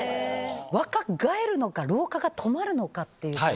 若返るのか、老化が止まるのかっていうと。